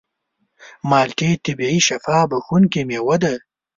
مالټې طبیعي شفا بښونکې مېوه ده.